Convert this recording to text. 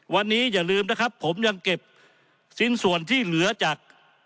วันนี้อย่าลืมนะครับผมยังเก็บชิ้นส่วนที่เหลือจาก